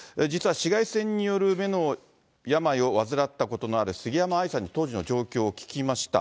実は紫外線による目の病を患ったことのある杉山愛さんに当時の状況を聞きました。